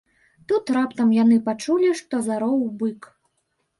Тут раптам яны пачулі, што зароў бык.